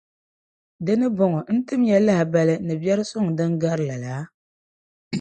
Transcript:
Di ni bɔŋɔ, n-tim ya lahibali ni bɛrisuŋ din gari lala?